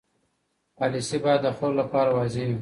پالیسي باید د خلکو لپاره واضح وي.